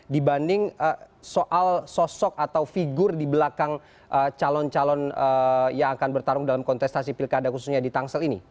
dibanding soal sosok atau figur di belakang calon calon yang akan bertarung dalam kontestasi pilkada khususnya di tangsel ini